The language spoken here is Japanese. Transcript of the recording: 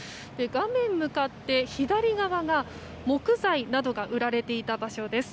画面向かって左側が、木材などが売られていた場所です。